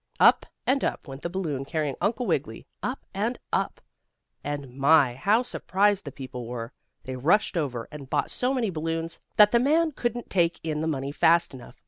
Up and up went the balloon carrying Uncle Wiggily. Up and up! And my! how surprised the people were. They rushed over and bought so many balloons that the man couldn't take in the money fast enough.